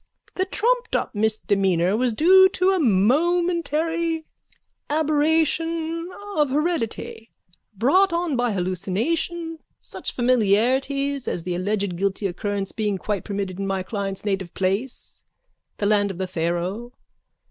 The trumped up misdemeanour was due to a momentary aberration of heredity, brought on by hallucination, such familiarities as the alleged guilty occurrence being quite permitted in my client's native place, the land of the Pharaoh.